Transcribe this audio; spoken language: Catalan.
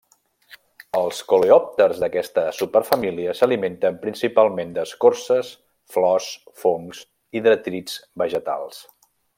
Els coleòpters d'aquesta superfamília s'alimenten principalment d'escorces, flors, fongs i detrits vegetals.